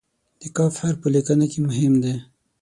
د "ک" حرف په لیکنه کې مهم دی.